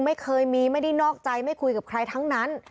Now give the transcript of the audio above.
ไม่เคยมีไม่ได้นอกใจไม่คุยกับใครทั้งนั้น